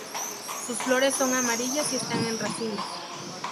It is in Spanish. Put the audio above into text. Sus flores son amarillas y están en racimos.